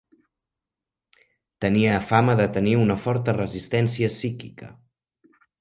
Tenia fama de tenir una forta resistència psíquica.